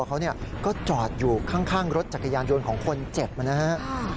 ก็จอดอยู่ข้างรถจักรยานยนต์ของคนเจ็บมานะฮะ